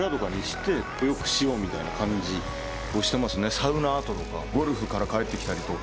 サウナ後とかゴルフから帰ってきたりとか。